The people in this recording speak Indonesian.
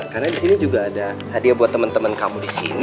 karena disini juga ada hadiah buat temen temen kamu disini